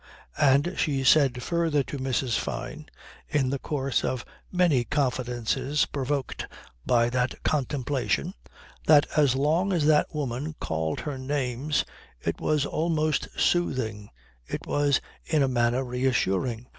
And she said further to Mrs. Fyne, in the course of many confidences provoked by that contemplation, that, as long as that woman called her names, it was almost soothing, it was in a manner reassuring.